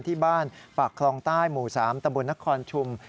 ที่บ้านปากคลองใต้หมู่๓ตำบลนครชุม